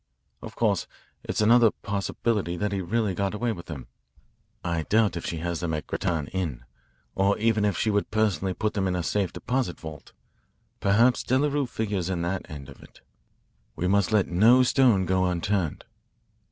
Of course it's another possibility that he really got away with them. I doubt if she has them at Grattan Inn, or even if she would personally put them in a safe deposit vault. Perhaps Delarue figures in that end of it. We must let no stone go unturned."